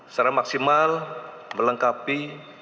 secara maksimal melengkapi